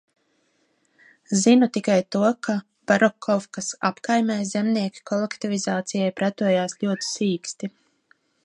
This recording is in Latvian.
Zinu tikai to, ka Barokovkas apkaimē zemnieki kolektivizācijai pretojās ļoti sīksti.